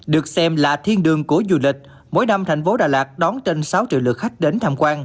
được xem là thiên đường của du lịch mỗi năm thành phố đà lạt đón trên sáu triệu lượt khách đến tham quan